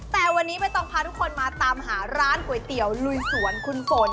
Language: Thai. แต่วันนี้ไม่ต้องพาทุกคนมาตามหาร้านก๋วยเตี๋ยวลุยสวนคุณฝน